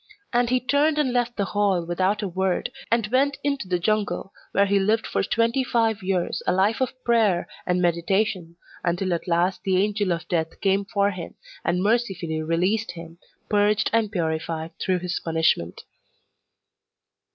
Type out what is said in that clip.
And he turned and left the hall without a word, and went into the jungle, where he lived for twenty five years a life of prayer and meditations, until at last the Angel of Death came to him, and mercifully released him, purged and purified through his punishment.